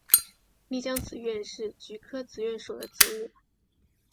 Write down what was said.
丽江紫菀是菊科紫菀属的植物。